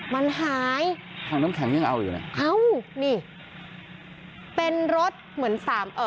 มันหายถังน้ำแข็งยังเอาอยู่เนี่ยเอ้านี่เป็นรถเหมือนสามเอ่อ